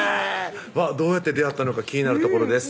どうやって出会ったのか気になるところです